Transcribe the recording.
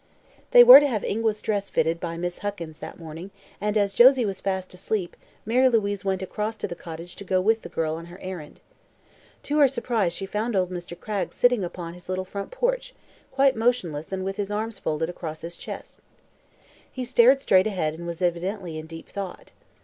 They were to have Ingua's dress fitted by Miss Huckins that morning, and as Josie was fast asleep Mary Louise went across to the cottage to go with the girl on her errand. To her surprise she found old Mr. Cragg sitting upon his little front porch, quite motionless and with his arms folded across his chest. He stared straight ahead and was evidently in deep thought.